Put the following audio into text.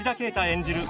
演じる